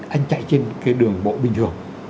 anh chạy trên cái đường bộ bình thường